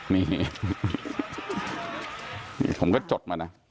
นี่ผมก็จดมานะ